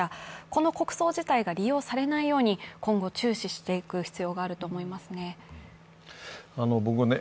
この国葬自体が利用されないように今後注視していく必要があると思いますね。